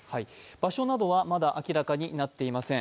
場所などはまだ明らかになっていません。